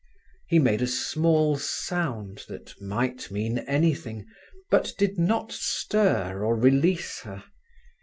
He made a small sound, that might mean anything, but did not stir or release her.